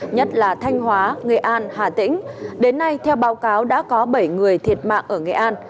nhất là thanh hóa nghệ an hà tĩnh đến nay theo báo cáo đã có bảy người thiệt mạng ở nghệ an